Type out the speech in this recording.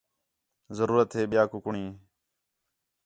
ضرورت ہے ٻِیاں کُکڑیں